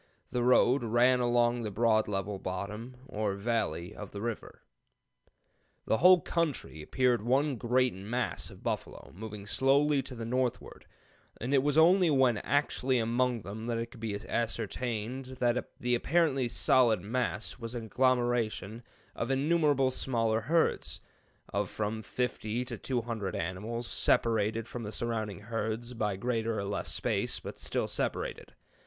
The road ran along the broad level 'bottom,' or valley, of the river. "The whole country appeared one great mass of buffalo, moving slowly to the northward; and it was only when actually among them that it could be ascertained that the apparently solid mass was an agglomeration of innumerable small herds, of from fifty to two hundred animals, separated from the surrounding herds by greater or less space, but still separated.